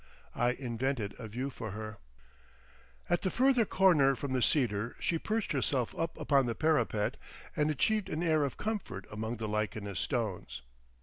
I invented a view for her. At the further corner from the cedar she perched herself up upon the parapet and achieved an air of comfort among the lichenous stones.